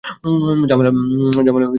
ঝামেলা সব একসাথেই আসে।